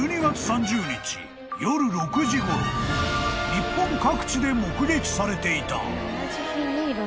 ［日本各地で目撃されていた］